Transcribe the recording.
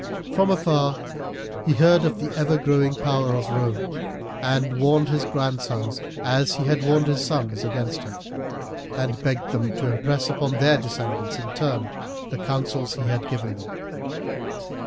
From afar he heard of the ever growing power of Rome, and warned his grandsons, as he had warned his sons, against her, and begged them to impress upon their descendants in turn the counsels he had given them.